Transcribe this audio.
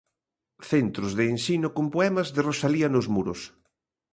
Centros de ensino con poemas de Rosalía nos muros.